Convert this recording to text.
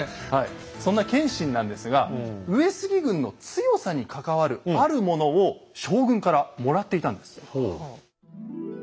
そんな謙信なんですが上杉軍の強さに関わるあるものを将軍からもらっていたんです。